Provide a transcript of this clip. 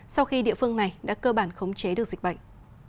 sau khi địa phương này đã cơ bản khống chế được dịch bệnh